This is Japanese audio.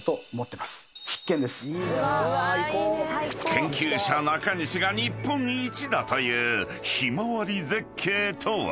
［研究者中西が日本一だというひまわり絶景とは？］